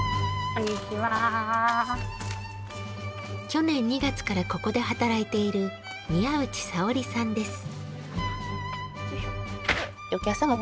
去年２月からここで働いている宮内沙織さんです。